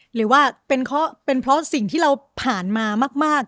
หรือว่าเป็นเพราะสิ่งที่เราผ่านมามาก